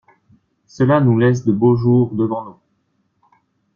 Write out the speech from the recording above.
Cela nous laisse de beaux jours devant nous.